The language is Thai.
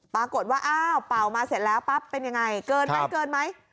ปรากฏว่าเป่ามาเสร็จแล้วเป็นอย่างไรเกินไหมไหม